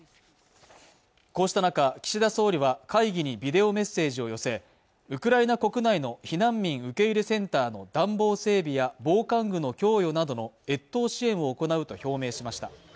こうした中岸田総理は会議にビデオメッセージを寄せウクライナ国内の避難民受け入れセンターの暖房整備や防寒具の供与などの越冬支援を行うと表明しました